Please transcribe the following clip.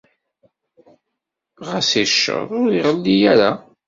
Ɣas icceḍ, ur iɣelli ara.